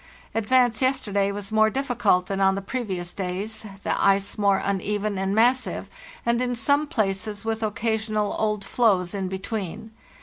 " Advance yesterday was more difficult than on the previous days, the ice more uneven and massive, and in some places with occasional old floes in between.